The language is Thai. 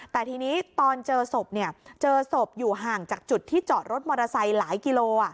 แต่ทีนี้ตอนเจอศพเจอศพอยู่ห่างจากจุดที่จอดรถมอเตอร์ไซค์หลายกิโล